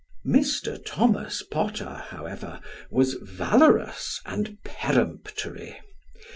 Mr. Thomas Potter, however, was valorous and peremptory.